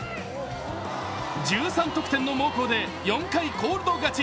１３得点の猛攻で４回コールド勝ち。